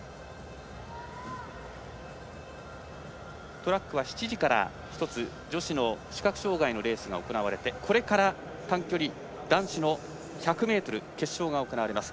トラックは７時から女子の視覚障がいのレースが行われて、これから短距離男子の１００ｍ決勝が行われます。